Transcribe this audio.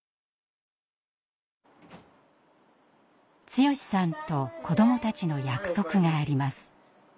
剛さんと子どもたちの約束があります。